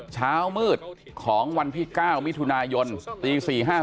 เช้ามืดของวันที่๙มิถุนายนตี๔๕๖